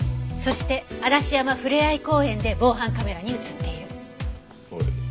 そして嵐山ふれあい公園で防犯カメラに映っている。